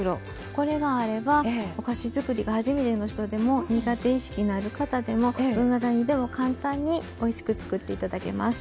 これがあればお菓子づくりが初めての人でも苦手意識のある方でもどなたにでも簡単においしくつくって頂けます。